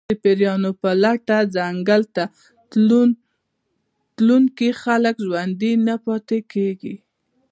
د پېریانو په لټه ځنګل ته تلونکي خلک ژوندي نه پاتې کېږي.